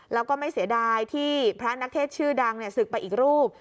แล้วก็ไม่เสียดายที่พระนักเทศชื่อดังศึกไปอีกรูป